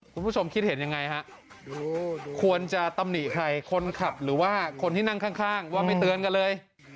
คุณผู้ชมคิดเห็นยังไงฮะควรจะตำหนิใครคนขับหรือว่าคนที่นั่งข้างว่าไม่เตือนกันเลย